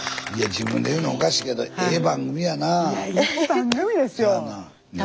自分で言うのおかしいけどええ番組やな。